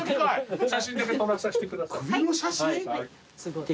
写真だけ撮らさせてください。